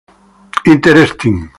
Interesting.